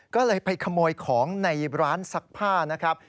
ก็เลยไปขโมยของในร้านซักผ้า